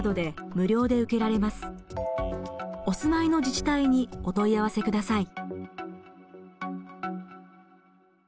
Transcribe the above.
お住まいの自治体にお問い合わせください。